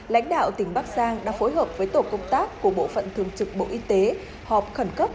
lãnh đạo tỉnh bắc giang đã phối hợp với tổ công tác của bộ phận thường trực bộ y tế họp khẩn cấp